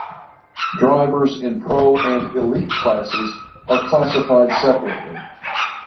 Drivers in Pro and Elite classes are classified separately.